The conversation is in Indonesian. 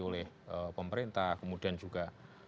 oleh pemerintah kemudian juga